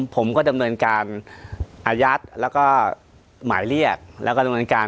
ผมก็ดำเนินการอายัดแล้วก็หมายเรียกแล้วก็ดำเนินการ